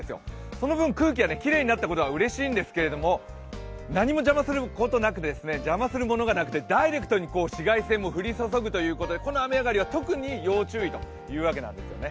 その分空気がきれいになったことはうれしいんですけれども、何も邪魔するものがなくて、ダイレクトに紫外線も降り注ぐということでこの雨上がりは特に要注意というわけなんですよね。